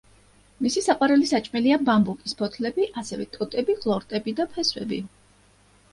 მისი საყვარელი საჭმელია ბამბუკის ფოთლები, ასევე, ტოტები, ყლორტები და ფესვები.